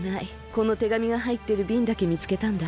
このてがみがはいってるびんだけみつけたんだ。